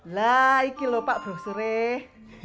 lah ini lho pak bro sereh